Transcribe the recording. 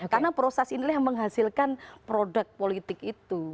karena proses ini yang menghasilkan produk politik itu